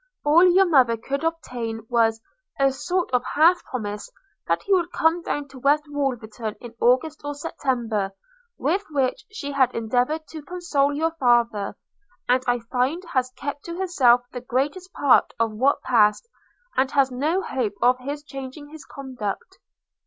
All your mother could obtain was, a sort of half promise that he would come down to West Wolverton in August or September, with which she had endeavoured to console your father; and I find has kept to herself the greatest part of what passed, and has no hope of his changing his conduct.